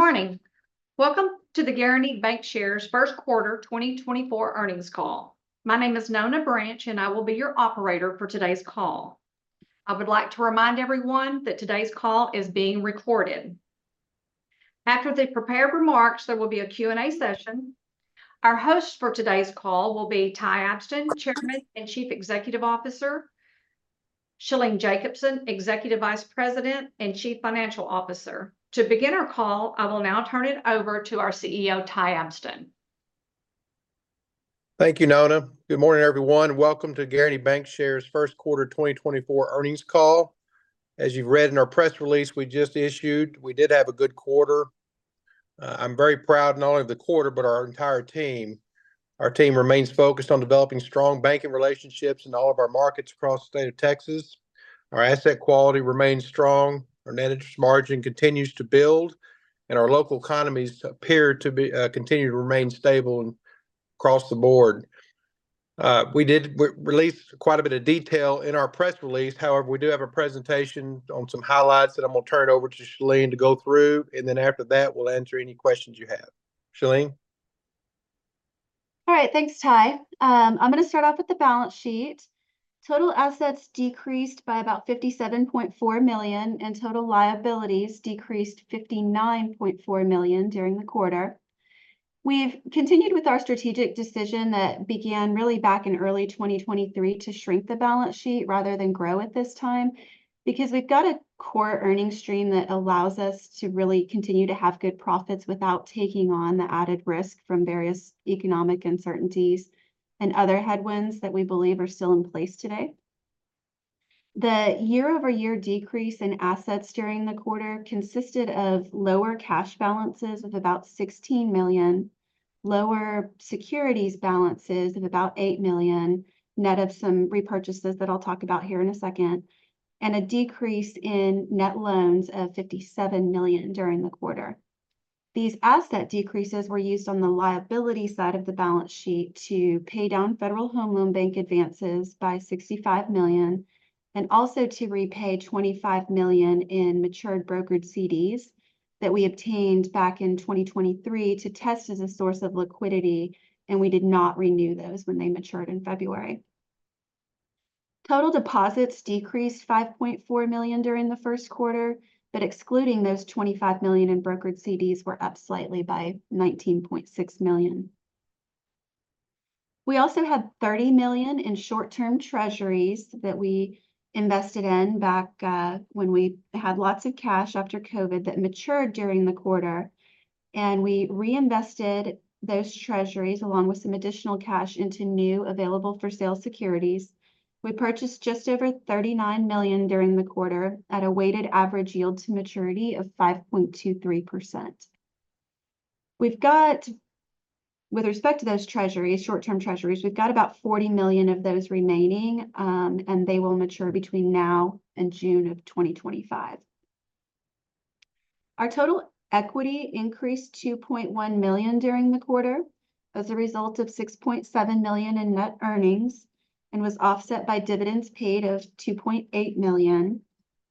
Good morning. Welcome to the Guaranty Bancshares Q1 2024 earnings call. My name is Nona Branch, and I will be your operator for today's call. I would like to remind everyone that today's call is being recorded. After the prepared remarks, there will be a Q&A session. Our hosts for today's call will be Ty Abston, Chairman and Chief Executive Officer. Shalene Jacobson, Executive Vice President and Chief Financial Officer. To begin our call, I will now turn it over to our CEO, Ty Abston. Thank you, Nona. Good morning, everyone. Welcome to Guaranty Bancshares Q1 2024 earnings call. As you've read in our press release we just issued, we did have a good quarter. I'm very proud not only of the quarter but our entire team. Our team remains focused on developing strong banking relationships in all of our markets across the state of Texas. Our asset quality remains strong. Our net interest margin continues to build, and our local economies appear to continue to remain stable across the board. We did release quite a bit of detail in our press release. However, we do have a presentation on some highlights that I'm going to turn it over to Shalene to go through, and then after that we'll answer any questions you have. Shalene? All right. Thanks, Ty. I'm going to start off with the balance sheet. Total assets decreased by about $57.4 million, and total liabilities decreased $59.4 million during the quarter. We've continued with our strategic decision that began really back in early 2023 to shrink the balance sheet rather than grow at this time because we've got a core earnings stream that allows us to really continue to have good profits without taking on the added risk from various economic uncertainties and other headwinds that we believe are still in place today. The year-over-year decrease in assets during the quarter consisted of lower cash balances of about $16 million, lower securities balances of about $8 million net of some repurchases that I'll talk about here in a second, and a decrease in net loans of $57 million during the quarter. These asset decreases were used on the liability side of the balance sheet to pay down Federal Home Loan Bank advances by $65 million and also to repay $25 million in matured brokered CDs that we obtained back in 2023 to test as a source of liquidity, and we did not renew those when they matured in February. Total deposits decreased $5.4 million during the Q1, but excluding those $25 million in brokered CDs were up slightly by $19.6 million. We also had $30 million in short-term Treasuries that we invested in back when we had lots of cash after COVID that matured during the quarter, and we reinvested those Treasuries along with some additional cash into new available-for-sale securities. We purchased just over $39 million during the quarter at a weighted average yield to maturity of 5.23%. With respect to those Treasuries, short-term Treasuries, we've got about $40 million of those remaining, and they will mature between now and June of 2025. Our total equity increased $2.1 million during the quarter as a result of $6.7 million in net earnings and was offset by dividends paid of $2.8 million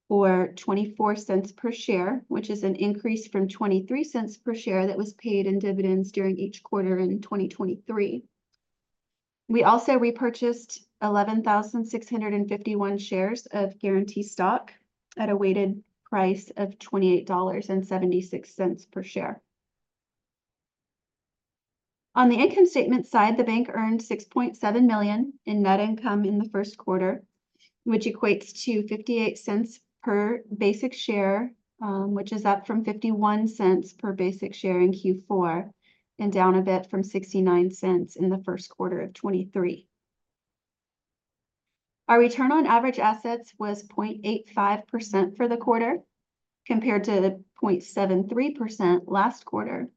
or $0.24 per share, which is an increase from $0.23 per share that was paid in dividends during each quarter in 2023. We also repurchased 11,651 shares of Guaranty stock at a weighted price of $28.76 per share. On the income statement side, the bank earned $6.7 million in net income in the Q1, which equates to $0.58 per basic share, which is up from $0.51 per basic share in Q4 and down a bit from $0.69 in the Q1 of 2023. Our return on average assets was 0.85% for the quarter compared to 0.73% last quarter.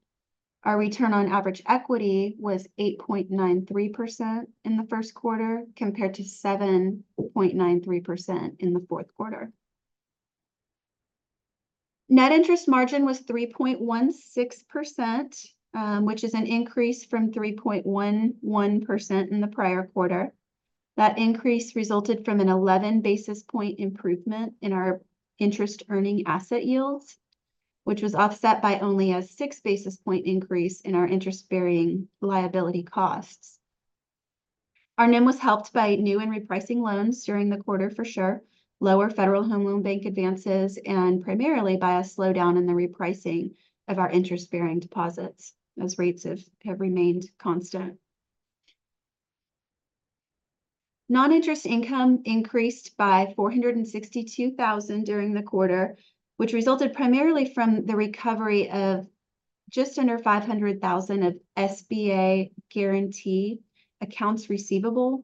Our return on average equity was 8.93% in the Q1 compared to 7.93% in the Q4. Net interest margin was 3.16%, which is an increase from 3.11% in the prior quarter. That increase resulted from an 11 basis point improvement in our interest earning asset yields, which was offset by only a 6 basis point increase in our interest bearing liability costs. Our NIM was helped by new and repricing loans during the quarter, for sure, lower Federal Home Loan Bank advances, and primarily by a slowdown in the repricing of our interest bearing deposits as rates have remained constant. Non-interest income increased by $462,000 during the quarter, which resulted primarily from the recovery of just under $500,000 of SBA guarantee accounts receivable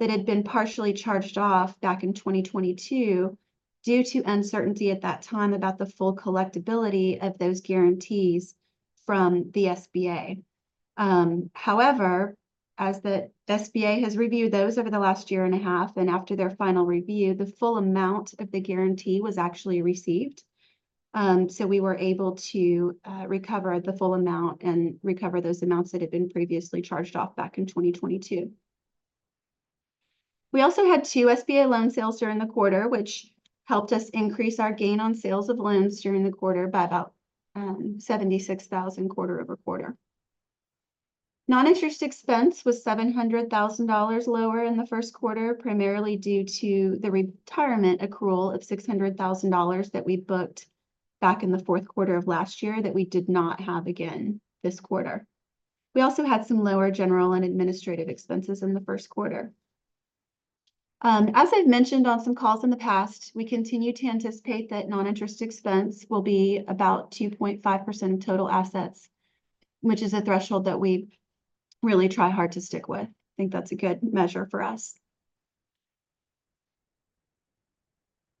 that had been partially charged off back in 2022 due to uncertainty at that time about the full collectibility of those guarantees from the SBA. However, as the SBA has reviewed those over the last year and a half and after their final review, the full amount of the guarantee was actually received, so we were able to recover the full amount and recover those amounts that had been previously charged off back in 2022. We also had two SBA loan sales during the quarter, which helped us increase our gain on sales of loans during the quarter by about $76,000 quarter-over-quarter. Non-interest expense was $700,000 lower in the Q1, primarily due to the retirement accrual of $600,000 that we booked back in the Q4 of last year that we did not have again this quarter. We also had some lower general and administrative expenses in the Q1. As I've mentioned on some calls in the past, we continue to anticipate that non-interest expense will be about 2.5% of total assets, which is a threshold that we really try hard to stick with. I think that's a good measure for us.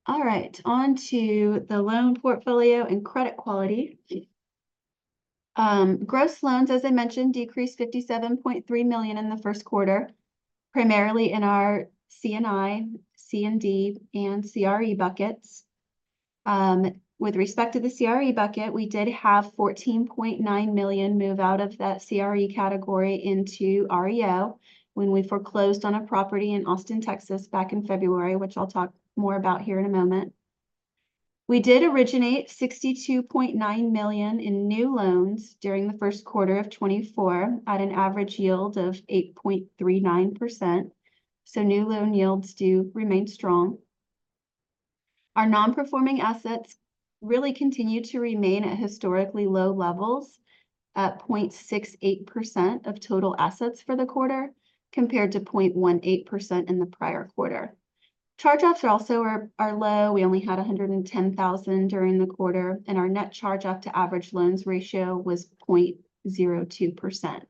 All right. Onto the loan portfolio and credit quality. Gross loans, as I mentioned, decreased $57.3 million in the Q1, primarily in our C&I, C&D, and CRE buckets. With respect to the CRE bucket, we did have $14.9 million move out of that CRE category into REO when we foreclosed on a property in Austin, Texas, back in February, which I'll talk more about here in a moment. We did originate $62.9 million in new loans during the Q1 of 2024 at an average yield of 8.39%, so new loan yields do remain strong. Our non-performing assets really continue to remain at historically low levels at 0.68% of total assets for the quarter compared to 0.18% in the prior quarter. Charge-offs also are low. We only had $110,000 during the quarter, and our net charge-off-to-average loans ratio was 0.02%.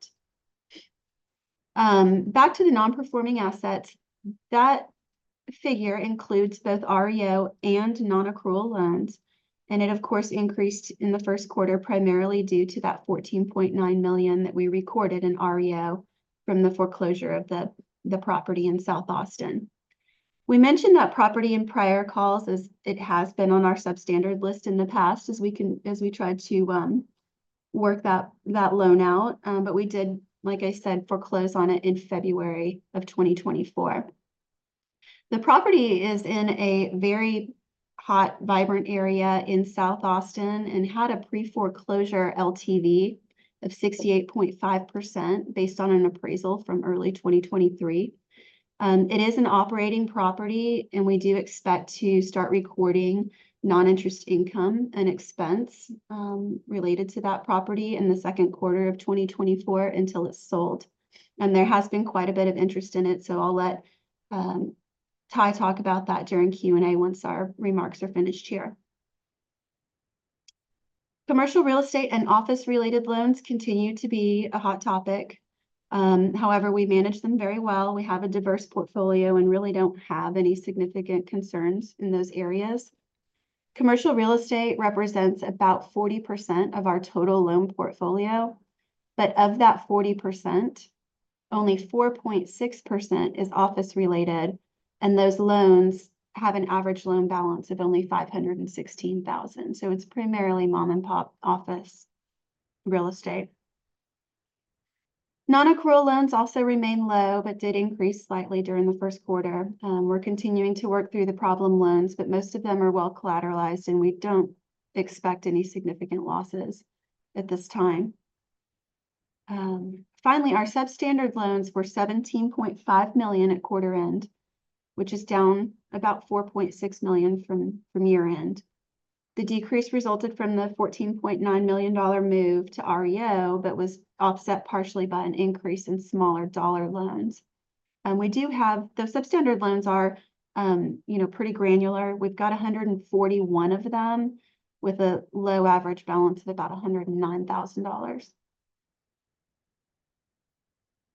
Back to the non-performing assets, that figure includes both REO and non-accrual loans, and it, of course, increased in the Q1 primarily due to that $14.9 million that we recorded in REO from the foreclosure of the property in South Austin. We mentioned that property in prior calls as it has been on our substandard list in the past as we tried to work that loan out, but we did, like I said, foreclose on it in February of 2024. The property is in a very hot, vibrant area in South Austin and had a pre-foreclosure LTV of 68.5% based on an appraisal from early 2023. It is an operating property, and we do expect to start recording non-interest income and expense related to that property in the Q2 of 2024 until it's sold. There has been quite a bit of interest in it, so I'll let Ty talk about that during Q&A once our remarks are finished here. Commercial real estate and office-related loans continue to be a hot topic. However, we manage them very well. We have a diverse portfolio and really don't have any significant concerns in those areas. Commercial real estate represents about 40% of our total loan portfolio, but of that 40%, only 4.6% is office-related, and those loans have an average loan balance of only $516,000. So it's primarily mom-and-pop office real estate. Non-accrual loans also remain low but did increase slightly during the Q1. We're continuing to work through the problem loans, but most of them are well collateralized, and we don't expect any significant losses at this time. Finally, our substandard loans were $17.5 million at quarter end, which is down about $4.6 million from year end. The decrease resulted from the $14.9 million move to REO but was offset partially by an increase in smaller dollar loans. We do have those substandard loans are pretty granular. We've got 141 of them with a low average balance of about $109,000.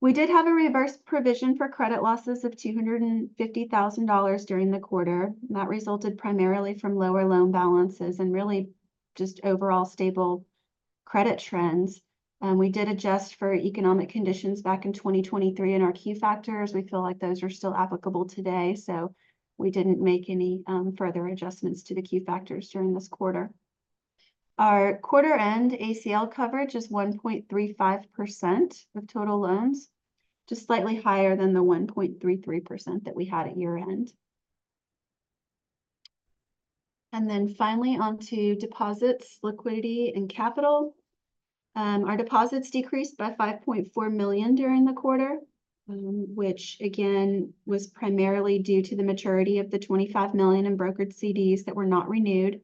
We did have a reverse provision for credit losses of $250,000 during the quarter, and that resulted primarily from lower loan balances and really just overall stable credit trends. We did adjust for economic conditions back in 2023 in our Q factors. We feel like those are still applicable today, so we didn't make any further adjustments to the Q factors during this quarter. Our quarter-end ACL coverage is 1.35% of total loans, just slightly higher than the 1.33% that we had at year end. And then finally, onto deposits, liquidity, and capital. Our deposits decreased by $5.4 million during the quarter, which, again, was primarily due to the maturity of the $25 million in brokered CDs that were not renewed.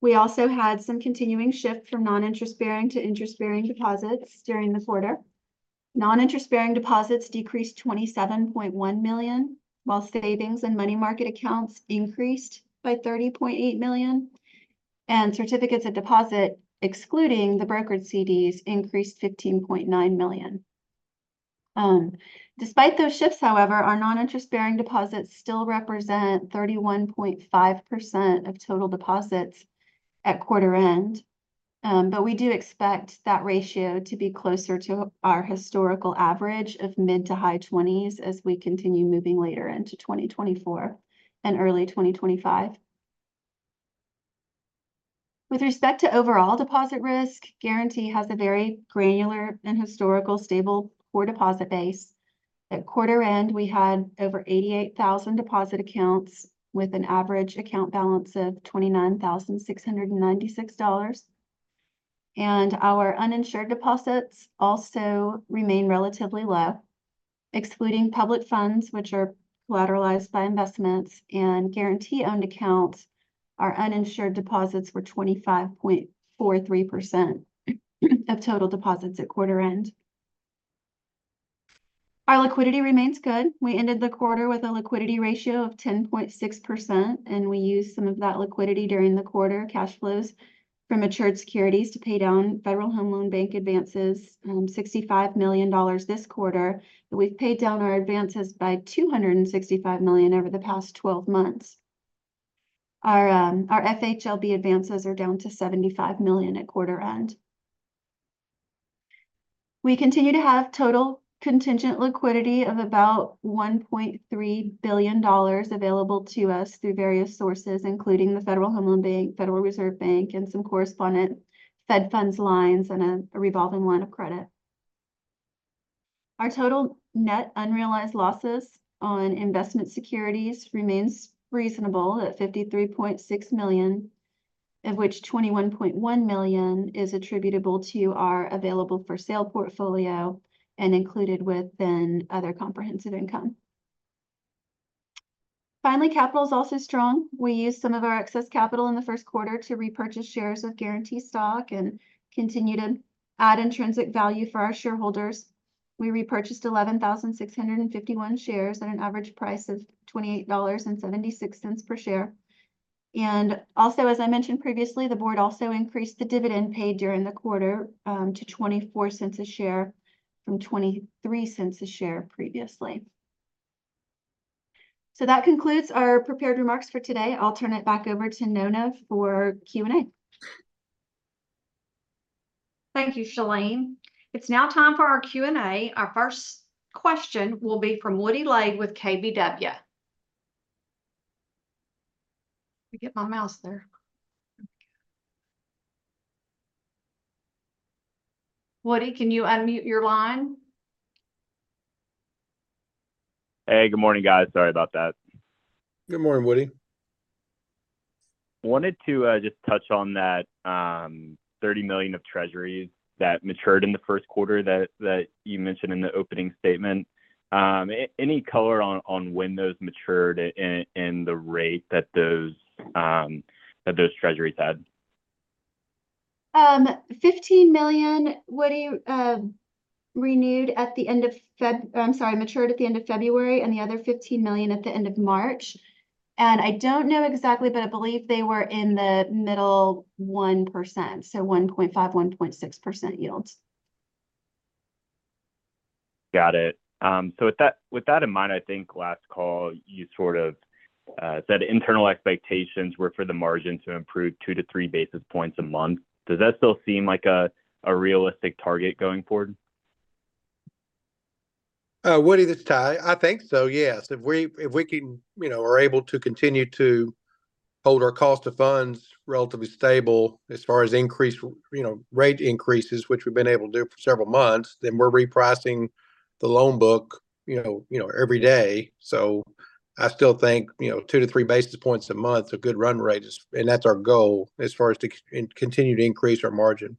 We also had some continuing shift from non-interest bearing to interest bearing deposits during the quarter. Non-interest bearing deposits decreased $27.1 million, while savings and money market accounts increased by $30.8 million, and certificates of deposit, excluding the brokered CDs, increased $15.9 million. Despite those shifts, however, our non-interest bearing deposits still represent 31.5% of total deposits at quarter end, but we do expect that ratio to be closer to our historical average of mid- to high-20s as we continue moving later into 2024 and early 2025. With respect to overall deposit risk, Guaranty has a very granular and historical stable core deposit base. At quarter end, we had over 88,000 deposit accounts with an average account balance of $29,696. Our uninsured deposits also remain relatively low. Excluding public funds, which are collateralized by investments, and Guaranty-owned accounts, our uninsured deposits were 25.43% of total deposits at quarter end. Our liquidity remains good. We ended the quarter with a liquidity ratio of 10.6%, and we used some of that liquidity during the quarter, cash flows, from matured securities to pay down Federal Home Loan Bank advances, $65 million this quarter, that we've paid down our advances by $265 million over the past 12 months. Our FHLB advances are down to $75 million at quarter end. We continue to have total contingent liquidity of about $1.3 billion available to us through various sources, including the Federal Home Loan Bank, Federal Reserve Bank, and some correspondent Fed funds lines and a revolving line of credit. Our total net unrealized losses on investment securities remains reasonable at $53.6 million, of which $21.1 million is attributable to our available-for-sale portfolio and included within other comprehensive income. Finally, capital is also strong. We used some of our excess capital in the Q1 to repurchase shares of Guaranty stock and continue to add intrinsic value for our shareholders. We repurchased 11,651 shares at an average price of $28.76 per share. Also, as I mentioned previously, the board also increased the dividend paid during the quarter to $0.24 per share from $0.23 per share previously. That concludes our prepared remarks for today. I'll turn it back over to Nona for Q&A. Thank you, Shalene. It's now time for our Q&A. Our first question will be from Woody Lay with KBW. Let me get my mouse there. Woody, can you unmute your line? Hey, good morning, guys. Sorry about that. Good morning, Woody. Wanted to just touch on that $30 million of Treasuries that matured in the Q1 that you mentioned in the opening statement. Any color on when those matured and the rate that those Treasuries had? $15 million, Woody, renewed at the end of I'm sorry, matured at the end of February and the other $15 million at the end of March. And I don't know exactly, but I believe they were in the middle 1%, so 1.5%-1.6% yields. Got it. So with that in mind, I think last call, you sort of said internal expectations were for the margin to improve 2-3 basis points a month. Does that still seem like a realistic target going forward? Woody, this is Ty. I think so, yes. If we are able to continue to hold our cost of funds relatively stable as far as increased rate increases, which we've been able to do for several months, then we're repricing the loan book every day. So I still think 2-3 basis points a month, a good run rate, and that's our goal as far as to continue to increase our margin.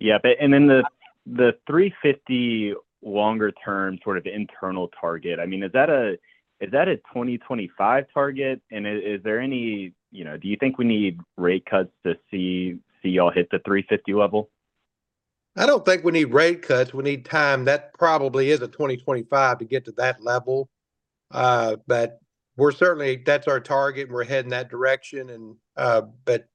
Yep. And then the 350 longer-term sort of internal target, I mean, is that a 2025 target, and is there any do you think we need rate cuts to see y'all hit the 350 level? I don't think we need rate cuts. We need time. That probably is a 2025 to get to that level. But that's our target, and we're heading that direction. But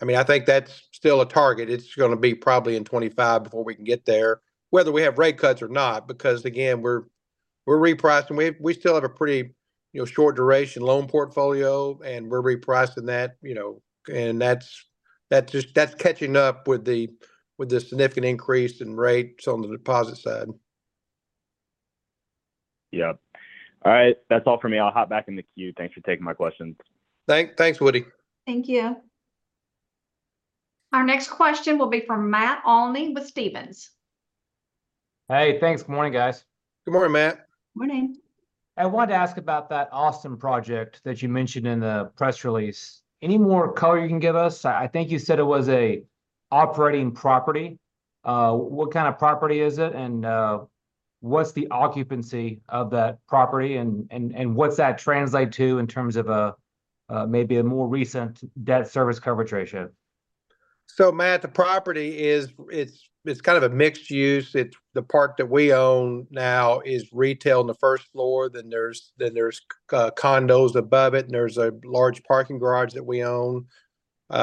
I mean, I think that's still a target. It's going to be probably in 2025 before we can get there, whether we have rate cuts or not, because, again, we're repricing. We still have a pretty short-duration loan portfolio, and we're repricing that. And that's catching up with the significant increase in rates on the deposit side. Yep. All right. That's all for me. I'll hop back in the queue. Thanks for taking my questions. Thanks, Woody. Thank you. Our next question will be from Matt Olney with Stephens. Hey, thanks. Good morning, guys. Good morning, Matt. Morning. I wanted to ask about that Austin project that you mentioned in the press release. Any more color you can give us? I think you said it was an operating property. What kind of property is it, and what's the occupancy of that property, and what's that translate to in terms of maybe a more recent debt service coverage ratio? So, Matt, the property, it's kind of a mixed use. The part that we own now is retail on the first floor. Then there's condos above it, and there's a large parking garage that we own. This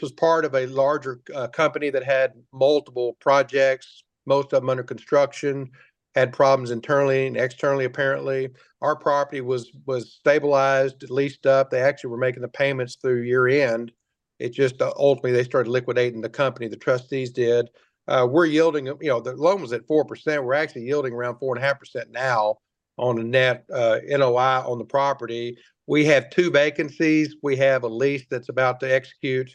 was part of a larger company that had multiple projects, most of them under construction, had problems internally and externally, apparently. Our property was stabilized, leased up. They actually were making the payments through year end. Ultimately, they started liquidating the company. The trustees did. We're yielding the loan was at 4%. We're actually yielding around 4.5% now on a net NOI on the property. We have two vacancies. We have a lease that's about to execute.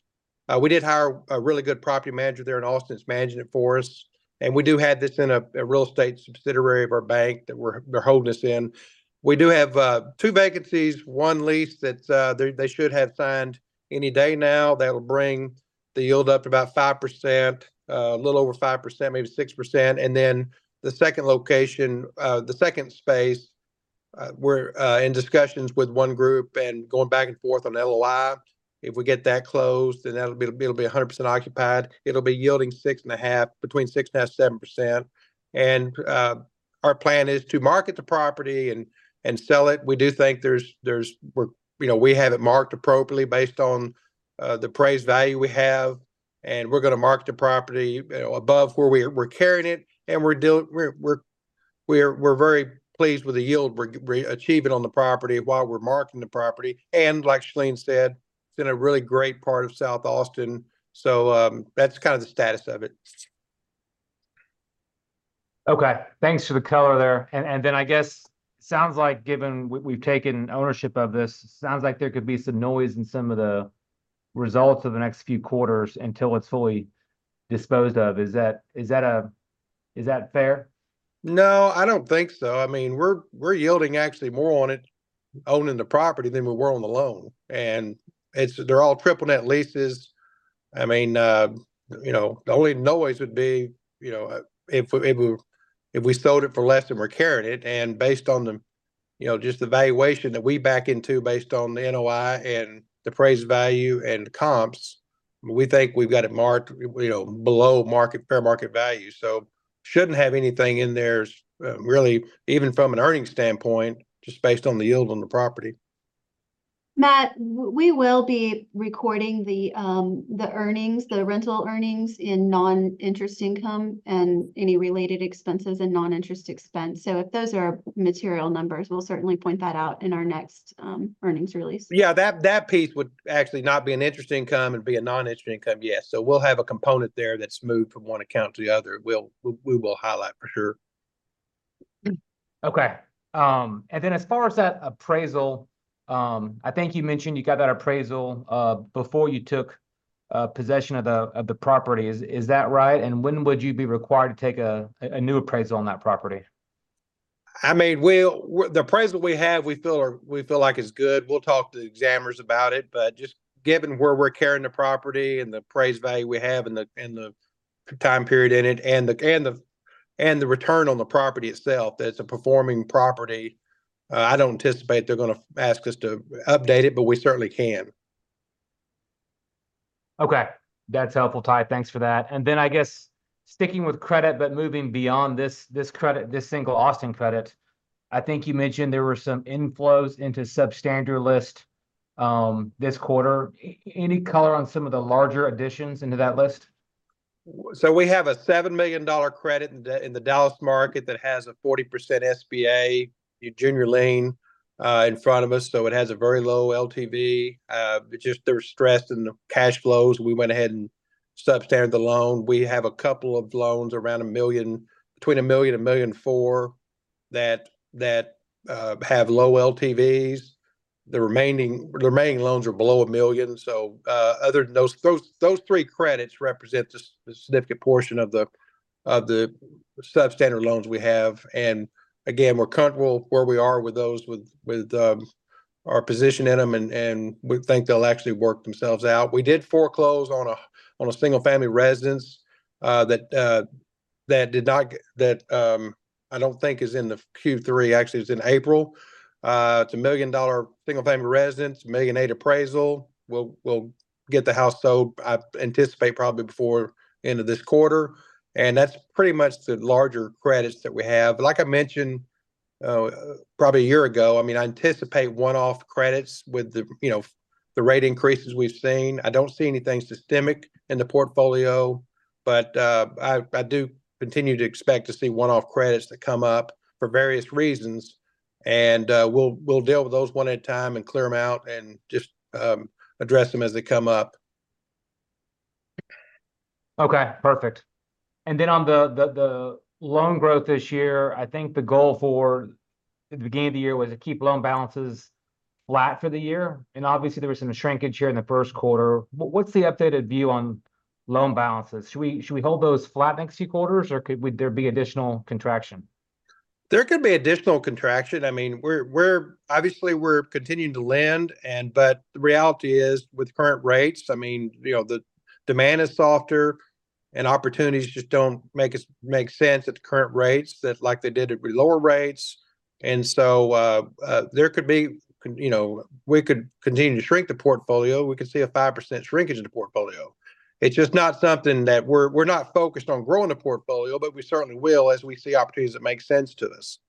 We did hire a really good property manager there in Austin. It's managing it for us. And we do have this in a real estate subsidiary of our bank that they're holding it in. We do have two vacancies, one lease that they should have signed any day now. That'll bring the yield up to about 5%, a little over 5%, maybe 6%. And then the second location, the second space, we're in discussions with one group and going back and forth on LOI. If we get that closed, then it'll be 100% occupied. It'll be yielding 6.5, between 6.5%-7%. And our plan is to market the property and sell it. We do think we have it marked appropriately based on the appraised value we have. We're going to market the property above where we're carrying it. We're very pleased with the yield we're achieving on the property while we're marketing the property. Like Shalene said, it's in a really great part of South Austin. That's kind of the status of it. Okay. Thanks for the color there. Then I guess it sounds like, given we've taken ownership of this, it sounds like there could be some noise in some of the results of the next few quarters until it's fully disposed of. Is that fair? No, I don't think so. I mean, we're yielding actually more on it, owning the property, than we were on the loan. They're all triple net leases. I mean, the only noise would be if we sold it for less than we're carrying it. Based on just the valuation that we back into based on the NOI and the appraised value and comps, we think we've got it marked below fair market value. So we shouldn't have anything in there really, even from an earnings standpoint, just based on the yield on the property. Matt, we will be recording the earnings, the rental earnings in non-interest income and any related expenses in non-interest expense. So if those are material numbers, we'll certainly point that out in our next earnings release. Yeah, that piece would actually not be an interest income and be a non-interest income, yes. So we'll have a component there that's moved from one account to the other. We will highlight for sure. Okay. Then as far as that appraisal, I think you mentioned you got that appraisal before you took possession of the property. Is that right? And when would you be required to take a new appraisal on that property? I mean, the appraisal we have, we feel like is good. We'll talk to the examiners about it. But just given where we're carrying the property and the appraised value we have and the time period in it and the return on the property itself, that it's a performing property, I don't anticipate they're going to ask us to update it, but we certainly can. Okay. That's helpful, Ty. Thanks for that. And then I guess sticking with credit but moving beyond this single Austin credit, I think you mentioned there were some inflows into substandard list this quarter. Any color on some of the larger additions into that list? So we have a $7 million credit in the Dallas market that has a 40% SBA, junior lien, in front of us. So it has a very low LTV. Just, they're stressed in the cash flows. We went ahead and substandard the loan. We have a couple of loans around $1 million, between $1 million and $1.4 million, that have low LTVs. The remaining loans are below $1 million. So those three credits represent a significant portion of the substandard loans we have. And again, we're comfortable where we are with those, with our position in them, and we think they'll actually work themselves out. We did foreclose on a single-family residence that did not, that I don't think is in the Q3. Actually, it was in April. It's a $1 million single-family residence, $1.8 million appraisal. We'll get the house sold, I anticipate, probably before the end of this quarter. And that's pretty much the larger credits that we have. Like I mentioned probably a year ago, I mean, I anticipate one-off credits with the rate increases we've seen. I don't see anything systemic in the portfolio, but I do continue to expect to see one-off credits that come up for various reasons. And we'll deal with those one at a time and clear them out and just address them as they come up. Okay. Perfect. And then on the loan growth this year, I think the goal for the beginning of the year was to keep loan balances flat for the year. And obviously, there was some shrinkage here in the Q1. What's the updated view on loan balances? Should we hold those flat next few quarters, or could there be additional contraction? There could be additional contraction. I mean, obviously, we're continuing to lend. But the reality is, with current rates, I mean, the demand is softer, and opportunities just don't make sense at the current rates like they did at lower rates. And so there could be we could continue to shrink the portfolio. We could see a 5% shrinkage in the portfolio. It's just not something that we're not focused on growing the portfolio, but we certainly will as we see opportunities that make sense to us.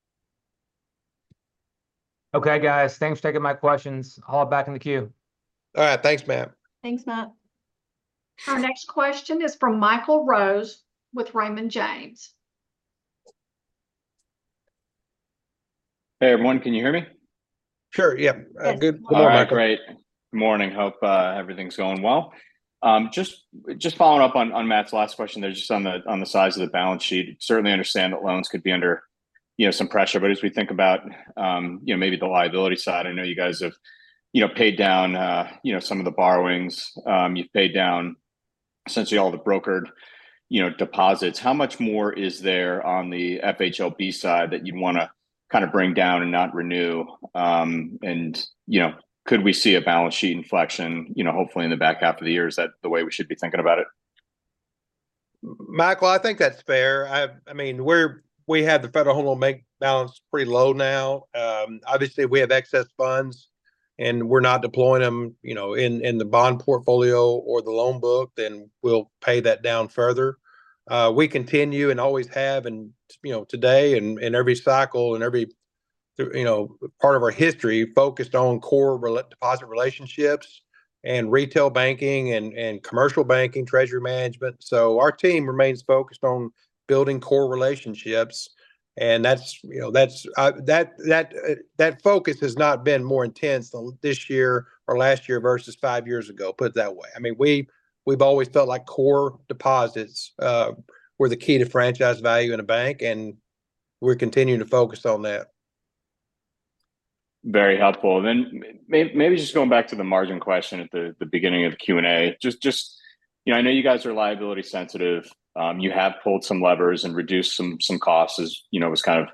Okay, guys. Thanks for taking my questions. I'll hop back in the queue. All right. Thanks, Matt. Thanks, Matt. Our next question is from Michael Rose with Raymond James. Hey, everyone. Can you hear me? Sure. Yeah. Good morning, Michael. All right. Great. Good morning. Hope everything's going well. Just following up on Matt's last question there just on the size of the balance sheet. Certainly understand that loans could be under some pressure. But as we think about maybe the liability side, I know you guys have paid down some of the borrowings. You've paid down essentially all the brokered deposits. How much more is there on the FHLB side that you'd want to kind of bring down and not renew? And could we see a balance sheet inflection, hopefully, in the back half of the year? Is that the way we should be thinking about it? Michael, I think that's fair. I mean, we have the Federal Home Loan Bank balance pretty low now. Obviously, we have excess funds, and we're not deploying them in the bond portfolio or the loan book, then we'll pay that down further. We continue and always have, and today and every cycle and every part of our history, focused on core deposit relationships and retail banking and commercial banking, treasury management. So our team remains focused on building core relationships. That focus has not been more intense this year or last year versus five years ago, put it that way. I mean, we've always felt like core deposits were the key to franchise value in a bank, and we're continuing to focus on that. Very helpful. Maybe just going back to the margin question at the beginning of the Q&A, just I know you guys are liability-sensitive. You have pulled some levers and reduced some costs, as was kind of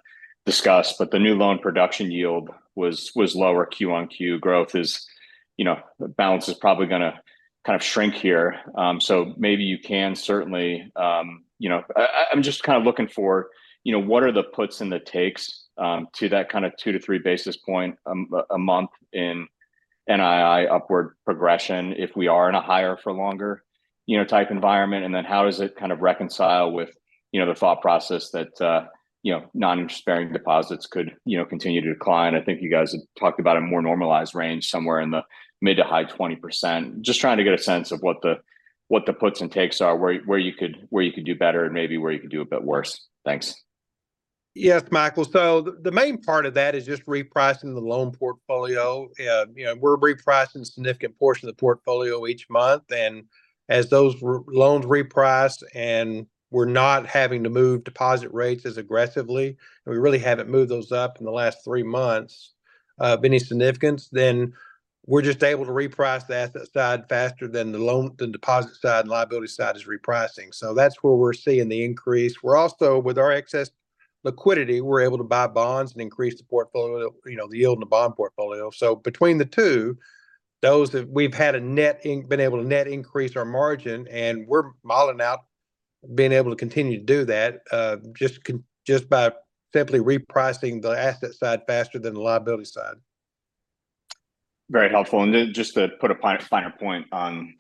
discussed. But the new loan production yield was lower Q on Q. Growth is balance is probably going to kind of shrink here. So, I'm just kind of looking for what the puts and takes are to that kind of 2-3 basis points a month in NII upward progression if we are in a higher-for-longer type environment? And then how does it kind of reconcile with the thought process that non-interest-bearing deposits could continue to decline? I think you guys had talked about a more normalized range somewhere in the mid- to high-20%. Just trying to get a sense of what the puts and takes are, where you could do better, and maybe where you could do a bit worse. Thanks. Yes, Michael. So the main part of that is just repricing the loan portfolio. We're repricing a significant portion of the portfolio each month. And as those loans reprice and we're not having to move deposit rates as aggressively, and we really haven't moved those up in the last three months of any significance, then we're just able to reprice the asset side faster than the deposit side and liability side is repricing. So that's where we're seeing the increase. Also, with our excess liquidity, we're able to buy bonds and increase the portfolio, the yield in the bond portfolio. So between the two, we've been able to net increase our margin, and we're modeling out being able to continue to do that just by simply repricing the asset side faster than the liability side. Very helpful. And just to put a finer point on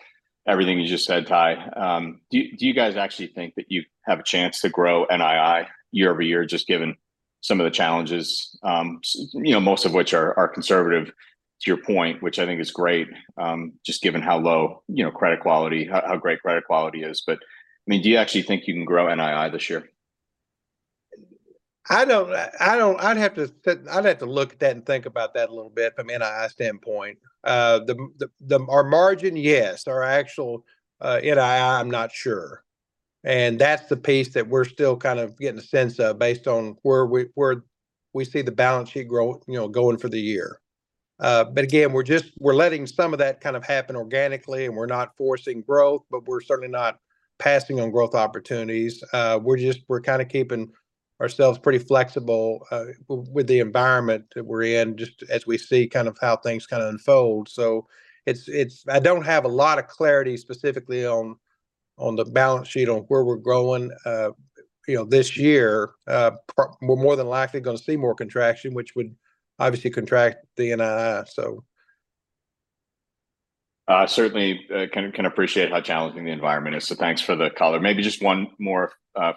everything you just said, Ty, do you guys actually think that you have a chance to grow NII year-over-year, just given some of the challenges, most of which are conservative, to your point, which I think is great, just given how low credit quality, how great credit quality is? But I mean, do you actually think you can grow NII this year? I'd have to look at that and think about that a little bit from an NII standpoint. Our margin, yes. Our actual NII, I'm not sure. And that's the piece that we're still kind of getting a sense of based on where we see the balance sheet going for the year. But again, we're letting some of that kind of happen organically, and we're not forcing growth, but we're certainly not passing on growth opportunities. We're kind of keeping ourselves pretty flexible with the environment that we're in just as we see kind of how things kind of unfold. So I don't have a lot of clarity specifically on the balance sheet on where we're growing this year. We're more than likely going to see more contraction, which would obviously contract the NII, so. I certainly can appreciate how challenging the environment is. So thanks for the caller. Maybe just one more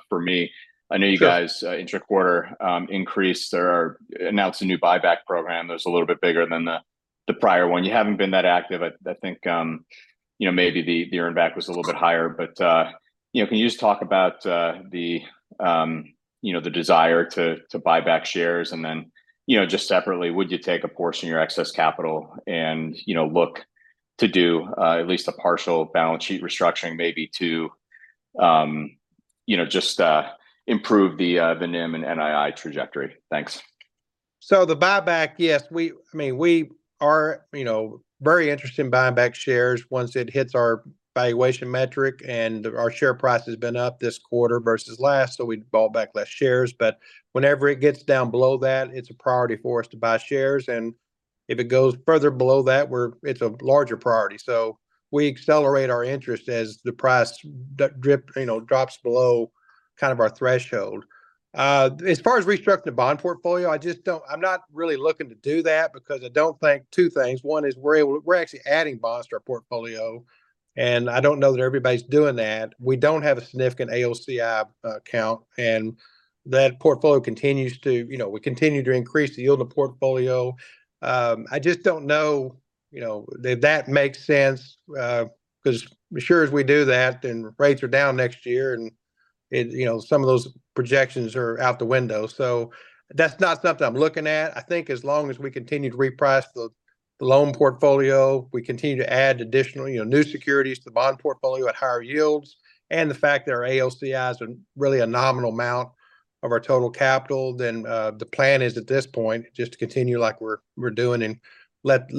for me. I know you guys, intra-quarter increase, announced a new buyback program. There's a little bit bigger than the prior one. You haven't been that active. I think maybe the earnback was a little bit higher. But can you just talk about the desire to buy back shares? And then just separately, would you take a portion of your excess capital and look to do at least a partial balance sheet restructuring, maybe to just improve the NIM and NII trajectory? Thanks. So the buyback, yes. I mean, we are very interested in buying back shares, once it hits our valuation metric. And our share price has been up this quarter versus last, so we bought back less shares. But whenever it gets down below that, it's a priority for us to buy shares. And if it goes further below that, it's a larger priority. So we accelerate our interest as the price drops below kind of our threshold. As far as restructuring the bond portfolio, I'm not really looking to do that because I don't think two things. One is we're actually adding bonds to our portfolio, and I don't know that everybody's doing that. We don't have a significant AOCI account, and that portfolio continues to, we continue to increase the yield in the portfolio. I just don't know if that makes sense because as sure as we do that, then rates are down next year, and some of those projections are out the window. So that's not something I'm looking at. I think as long as we continue to reprice the loan portfolio, we continue to add additional new securities to the bond portfolio at higher yields, and the fact that our AOCIs are really a nominal amount of our total capital, then the plan is at this point just to continue like we're doing and let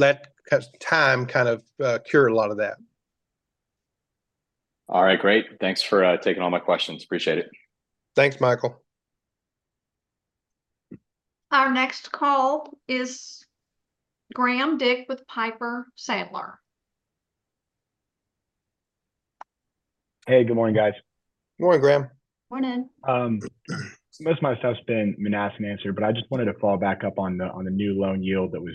time kind of cure a lot of that. All right. Great. Thanks for taking all my questions. Appreciate it. Thanks, Michael. Our next call is Graham Dick with Piper Sandler. Hey. Good morning, guys. Good morning, Graham. Morning. Most of my stuff's been managed and answered, but I just wanted to follow up on the new loan yield that was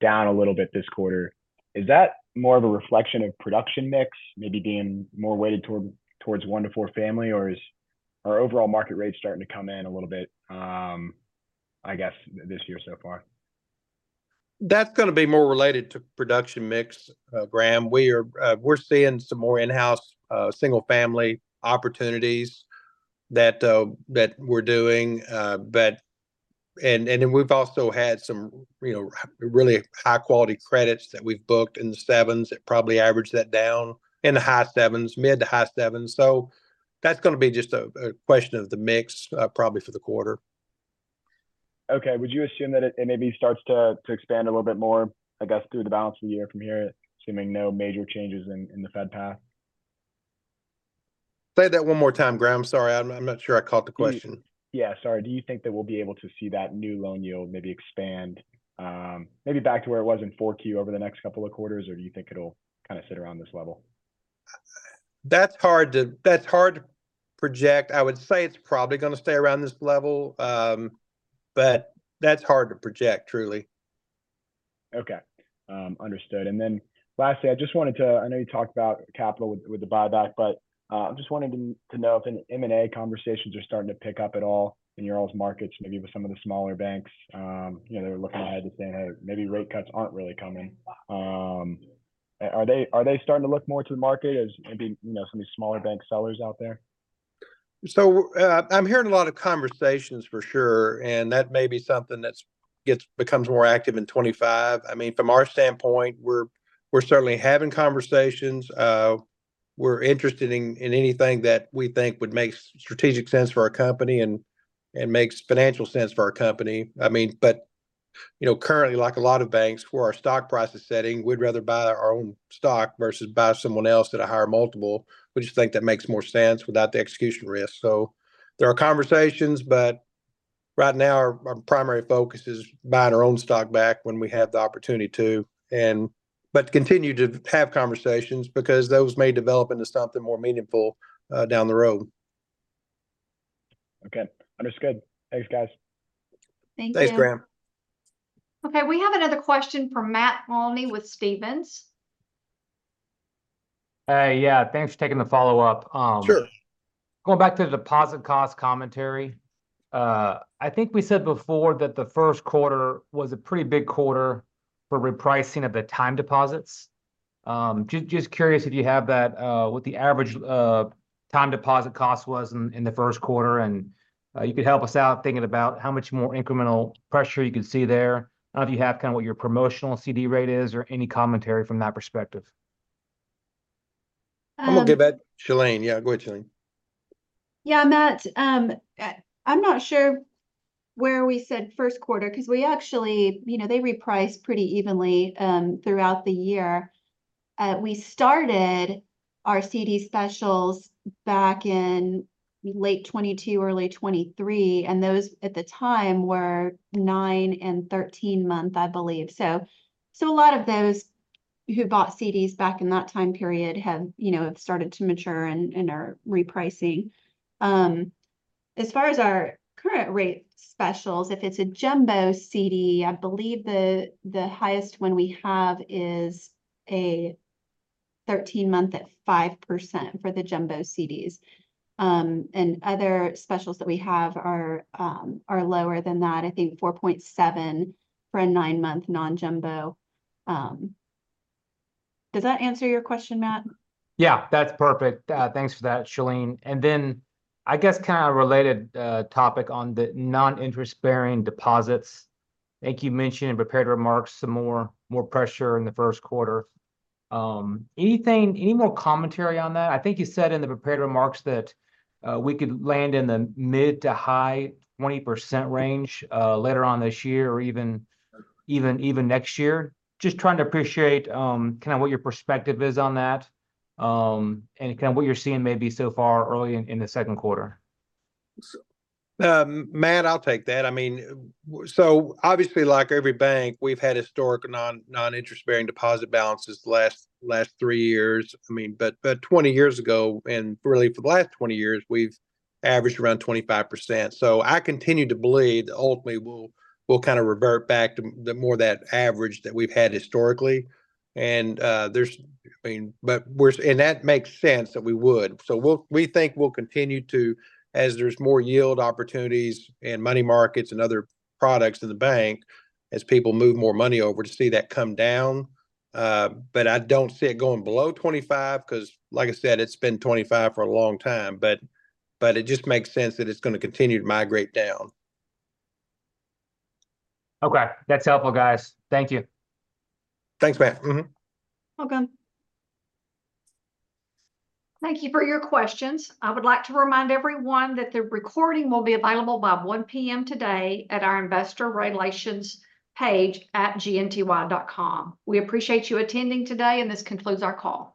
down a little bit this quarter. Is that more of a reflection of production mix maybe being more weighted towards 1-4 family, or are overall market rates starting to come in a little bit, I guess, this year so far? That's going to be more related to production mix, Graham. We're seeing some more in-house single-family opportunities that we're doing. And then we've also had some really high-quality credits that we've booked in the 7s that probably average that down in the high 7s, mid- to high 7s. So that's going to be just a question of the mix probably for the quarter. Okay. Would you assume that it maybe starts to expand a little bit more, I guess, through the balance of the year from here, assuming no major changes in the Fed path? Say that one more time, Graham. Sorry. I'm not sure I caught the question. Yeah. Sorry. Do you think that we'll be able to see that new loan yield maybe expand maybe back to where it was in 4Q over the next couple of quarters, or do you think it'll kind of sit around this level? That's hard to project. I would say it's probably going to stay around this level, but that's hard to project, truly. Okay. Understood. And then lastly, I just wanted to. I know you talked about capital with the buyback, but I'm just wanting to know if any M&A conversations are starting to pick up at all in your all's markets, maybe with some of the smaller banks. They're looking ahead to saying, "Hey, maybe rate cuts aren't really coming." Are they starting to look more to the market as maybe some of these smaller bank sellers out there? So I'm hearing a lot of conversations, for sure, and that may be something that becomes more active in 2025. I mean, from our standpoint, we're certainly having conversations. We're interested in anything that we think would make strategic sense for our company and makes financial sense for our company. I mean, but currently, like a lot of banks, for our stock price setting, we'd rather buy our own stock versus buy someone else at a higher multiple. We just think that makes more sense without the execution risk. So there are conversations, but right now, our primary focus is buying our own stock back when we have the opportunity to, but continue to have conversations because those may develop into something more meaningful down the road. Okay. Understood. Thanks, guys. Thank you. Thanks, Graham. Okay. We have another question from Matt Olney with Stephens. Hey. Yeah. Thanks for taking the follow-up. Sure. Going back to the deposit cost commentary, I think we said before that the Q1 was a pretty big quarter for repricing of the time deposits. Just curious if you have that, what the average time deposit cost was in the Q1, and you could help us out thinking about how much more incremental pressure you could see there. I don't know if you have kind of what your promotional CD rate is or any commentary from that perspective. I'm going to give that to Shalene. Yeah. Go ahead, Shalene. Yeah. Matt, I'm not sure where we said Q1 because we actually, they reprice pretty evenly throughout the year. We started our CD specials back in late 2022, early 2023, and those at the time were 9- and 13-month, I believe. So a lot of those who bought CDs back in that time period have started to mature and are repricing. As far as our current rate specials, if it's a jumbo CD, I believe the highest one we have is a 13-month at 5% for the jumbo CDs. And other specials that we have are lower than that, I think 4.7 for a 9-month non-jumbo. Does that answer your question, Matt? Yeah. That's perfect. Thanks for that, Shalene. And then I guess kind of a related topic on the non-interest-bearing deposits. I think you mentioned in prepared remarks some more pressure in the Q1. Any more commentary on that? I think you said in the prepared remarks that we could land in the mid to high 20% range later on this year or even next year. Just trying to appreciate kind of what your perspective is on that and kind of what you're seeing maybe so far early in the Q2. Matt, I'll take that. I mean, so obviously, like every bank, we've had historic non-interest-bearing deposit balances the last 3 years. I mean, but 20 years ago, and really for the last 20 years, we've averaged around 25%. So I continue to believe that ultimately, we'll kind of revert back to more that average that we've had historically. And I mean, but and that makes sense that we would. So we think we'll continue to, as there's more yield opportunities and money markets and other products in the bank, as people move more money over to see that come down. But I don't see it going below 25 because, like I said, it's been 25 for a long time. But it just makes sense that it's going to continue to migrate down. Okay. That's helpful, guys. Thank you. Thanks, Matt. Welcome. Thank you for your questions. I would like to remind everyone that the recording will be available by 1:00 P.M. today at our investor relations page at gnty.com. We appreciate you attending today, and this concludes our call.